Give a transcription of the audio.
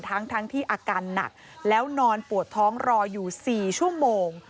ทั้งที่อาการหนักแล้วนอนปวดท้องรออยู่๔ชั่วโมง